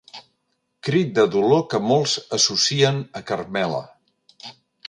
Crit de dolor que molts associen a Carmela.